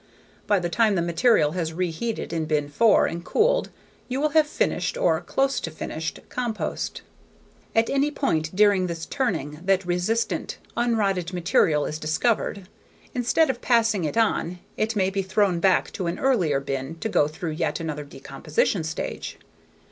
By the time the material has reheated in bin four and cooled you will have finished or close to finished compost At any point during this turning that resistant, unrotted material is discovered, instead of passing it on, it may be thrown back to an earlier bin to go through yet another decomposition stage.